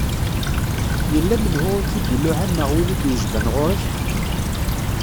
Yella menhu i k-id-iluɛan neɣ win i d-yejban ɣur-k?